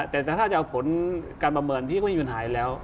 แต่ถ้าจะเอาผลการประเมินพี่ก็ไม่มีปัญหาอยู่แล้ว